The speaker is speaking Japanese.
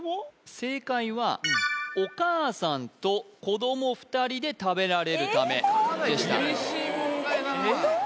正解はお母さんと子ども２人で食べられるためでしたええ！？